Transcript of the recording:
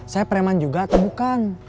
saya preman juga atau bukan